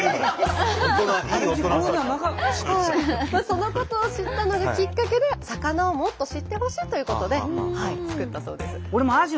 そのことを知ったのがきっかけで魚をもっと知ってほしいということで作ったそうです。